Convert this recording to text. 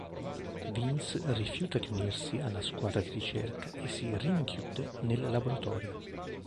Vince rifiuta d'unirsi alla squadra di ricerca e si rinchiude nel laboratorio.